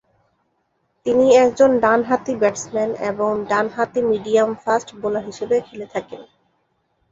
তিনি একজন ডানহাতি ব্যাটসম্যান এবং ডানহাতি মিডিয়াম ফাস্ট বোলার হিসেবে খেলে থাকেন।